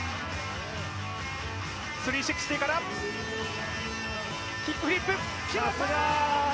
３６０からキックフリップ、決まった！